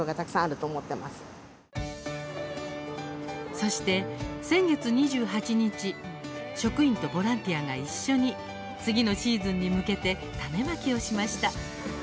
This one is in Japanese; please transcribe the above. そして先月２８日職員とボランティアが一緒に次のシーズンに向けて種まきをしました。